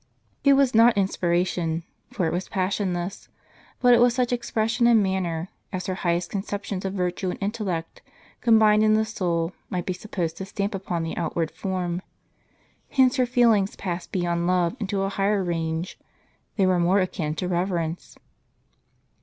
* It was not inspiration, for it was passionless ; but it was such expression and manner, as her highest conceptions of virtue and intellect, combined in the soul, might be supposed to stamp upon the outward form. Hence her feelings passed beyond love into a higher range; they were more akin to reverence.